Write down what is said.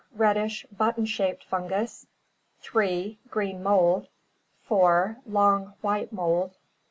Reddish, button shaped fungus. 3. Green mold. 4. Long white mold.